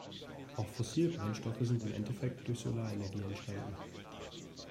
Auch fossile Brennstoffe sind im Endeffekt durch Solarenergie entstanden.